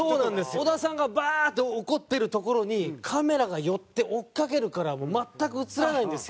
小田さんがバーッて怒ってるところにカメラが寄って追っかけるから全く映らないんですよ。